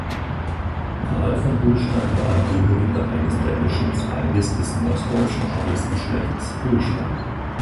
Carl von Holstein war Angehöriger eines dänischen Zweiges des norddeutschen Adelsgeschlechts Holstein.